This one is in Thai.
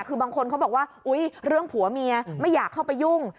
คือบางคนเขาบอกว่าอุ๊ยเรื่องผัวเมียไม่อยากเข้าไปยุ่ง